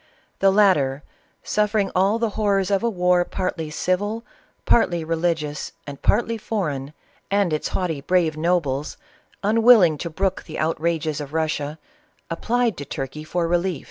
The latter, suf i'vring all the horrors of a war partly civil, partly reli gious, and partly foreign, am^Ls haughty, brave no Lies, unwilling to brook the outn^es of Russia, ap plied to Turkey for relJw.